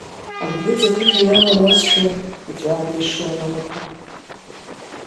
Абгыӡ ақыҭа иалалазшәа, иҵәааны ишуан алақәа.